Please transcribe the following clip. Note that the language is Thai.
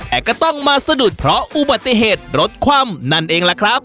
แต่ก็ต้องมาสะดุดเพราะอุบัติเหตุรถคว่ำนั่นเองล่ะครับ